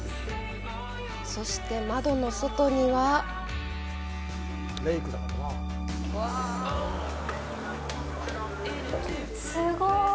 そして、窓の外にはすごい！